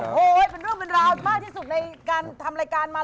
แล้วยังไงต่อไปแล้วจะทำอย่างไร